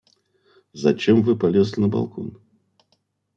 Зачем вы полезли на балкон?